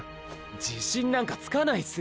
自信なんかつかないすよ！